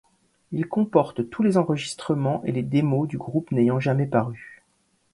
Il comporte tous les enregistrements et les démos du groupe n'ayant jamais paru.